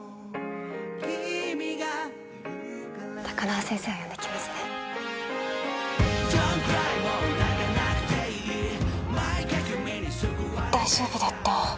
高輪先生を呼んできますね大丈夫だった？